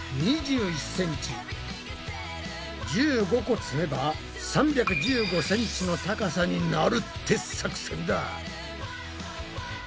１５個積めば３１５ｃｍの高さになるって作戦だ！